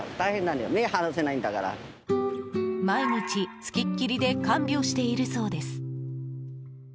毎日、付きっきりで看病しているそうです。